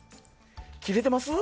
切れてます？